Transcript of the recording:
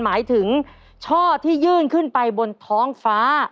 หมายถึงช่อที่ยื่นขึ้นไปบนท้องฟ้า